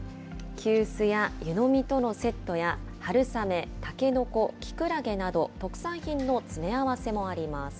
急須や湯飲みとのセットや、春雨、タケノコ、キクラゲなど、特産品の詰め合わせもあります。